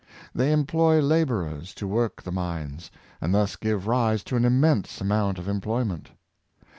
They employ laborers to work the mines, and thus give rise to an immense amount of employment.